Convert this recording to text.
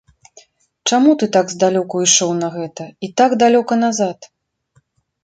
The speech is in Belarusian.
Чаму ты так здалёку ішоў на гэта, і так далёка назад?!